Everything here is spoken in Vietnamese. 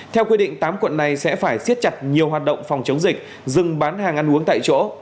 theo quy định tám quận này sẽ phải siết chặt nhiều hoạt động phòng chống dịch dừng bán hàng ăn uống tại chỗ